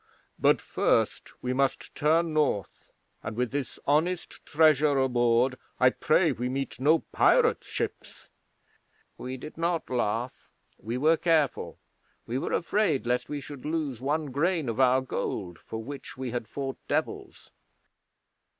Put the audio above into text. But first we must turn North, and with this honest treasure aboard I pray we meet no pirate ships." 'We did not laugh. We were careful. We were afraid lest we should lose one grain of our gold, for which we had fought Devils.